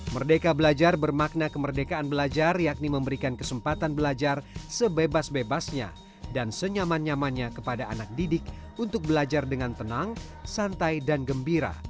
merdeka belajar bermakna kemerdekaan belajar yakni memberikan kesempatan belajar sebebas bebasnya dan senyaman nyamannya kepada anak didik untuk belajar dengan tenang santai dan gembira